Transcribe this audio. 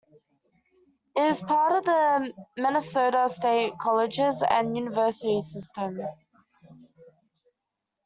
It was part of the Minnesota State Colleges and Universities System.